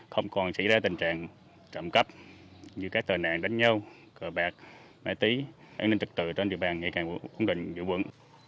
không còn xảy ra tình trạng trầm cấp như các tờ nạn đánh nhau cờ bạc máy tí an ninh trực tự trên địa bàn ngày càng cũng đỉnh dữ vững